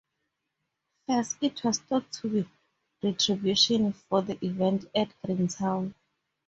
First, it was thought to be retribution for the events at Greentown.